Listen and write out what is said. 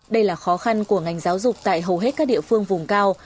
đây là khó khăn của ngành giáo dục tại hầu hết các địa phương vùng cao